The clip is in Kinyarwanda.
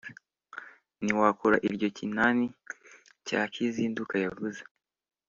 ntiwakura iryo kinani cya kizinduka yavuze,